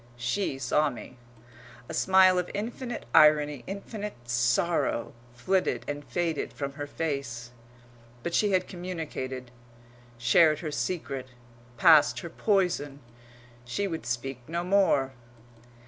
She saw me. A smile of infinite irony, infinite sorrow, flitted and faded from her face. But she had communicated, shared her secret, passed her poison; she would speak no more.